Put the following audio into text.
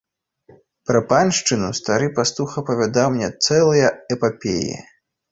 Пра паншчыну стары пастух апавядаў мне цэлыя эпапеі.